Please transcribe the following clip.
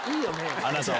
あなたは。